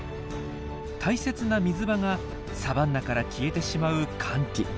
大切な水場がサバンナから消えてしまう乾季。